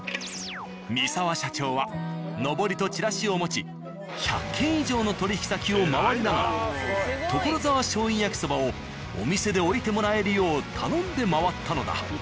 見澤社長はのぼりとチラシを持ち１００軒以上の取引先を回りながらところざわ醤油焼きそばをお店で置いてもらえるよう頼んで回ったのだ。